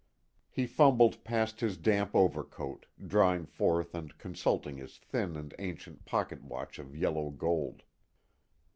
He fumbled past his damp overcoat, drawing forth and consulting his thin and ancient pocket watch of yellow gold.